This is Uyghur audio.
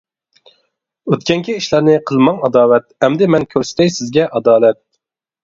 ئۆتكەنكى ئىشلارنى قىلماڭ ئاداۋەت، ئەمدى مەن كۆرسىتەي سىزگە ئادالەت!